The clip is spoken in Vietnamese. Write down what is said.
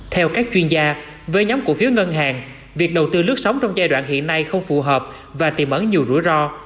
theo các chuyên gia với nhóm cổ phiếu ngân hàng việc đầu tư lướt sóng trong giai đoạn hiện nay không phù hợp và tìm ẩn nhiều rủi ro